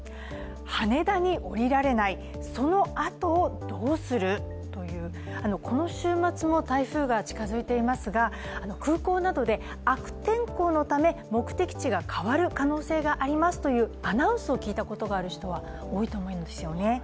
「羽田に降りられない、その後どうする」というこの週末も台風が近づいていますが空港などで悪天候のため目的地が変わる可能性がありますというアナウンスを聞いたことがある人は多いと思うんですよね。